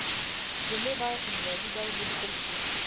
جملې باید په معياري ډول ولیکل شي.